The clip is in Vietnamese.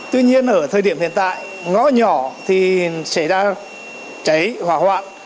tuy nhiên ở thời điểm hiện tại ngõ nhỏ thì xảy ra cháy hỏa hoạn